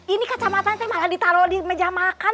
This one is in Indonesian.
ini kacamata nanti malah ditaro di meja makan